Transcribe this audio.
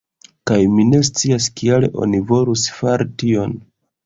Kaj mi ne scias kial oni volus fari tion.